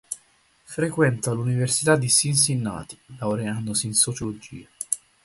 Frequenta l'Università di Cincinnati, laureandosi in sociologia.